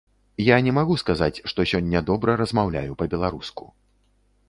Я не магу сказаць, што сёння добра размаўляю па-беларуску.